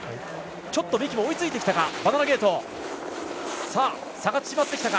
ちょっと三木も追いついてきたか。